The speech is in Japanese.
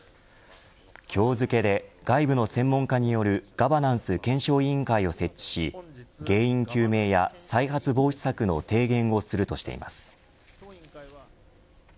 今日付で外部の専門家によるガバナンス検証委員会を設置し原因究明や再発防止策の提言をするとしています。